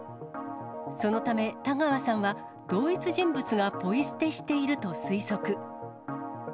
そのため、田川さんは同一人物がポイ捨てしていると推測。